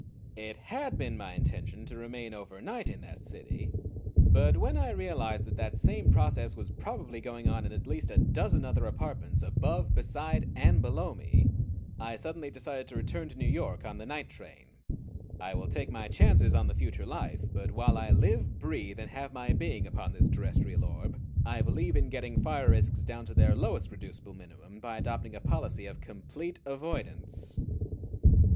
It had been my intention to remain overnight in that city; but when I realized that that same process was probably going on in at least a dozen other apartments, above, beside, and below me, I suddenly decided to return to New York on the night train. I will take my chances on the future life; but while I live, breathe, and have my being upon this terrestrial orb I believe in getting fire risks down to their lowest reducible minimum by adopting a policy of complete avoidance.